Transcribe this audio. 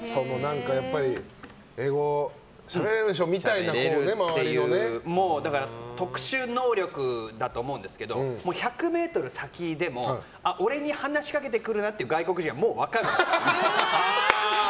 やっぱり英語しゃべれるんでしょだから特殊能力だと思うんですけど１００ｍ先でも俺に話しかけてくるなという外国人は、もう分かるんです。